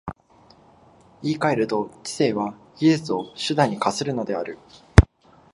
言い換えると、知性は技術を手段に化するのである。